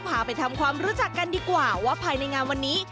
พาไปทำความรู้จักกันดีกว่าว่าภายในงานวันนี้